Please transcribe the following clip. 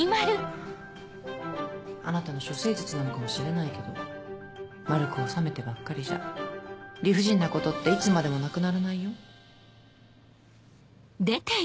あなたの処世術なのかもしれないけど丸く収めてばっかりじゃ理不尽なことっていつまでもなくならないよ。